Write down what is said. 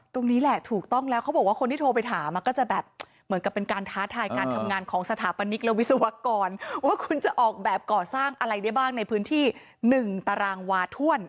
ตรงนี้แหละถูกต้องแล้วเขาบอกว่าคนที่โทรไปถามก็จะแบบเหมือนกับเป็นการท้าทายการทำงานของสถาปนิกและวิศวกรว่าคุณจะออกแบบก่อสร้างอะไรได้บ้างในพื้นที่๑ตารางวาถ้วน